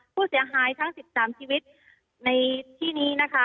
ผู้เสียหายทั้ง๑๓ชีวิตในที่นี้นะคะ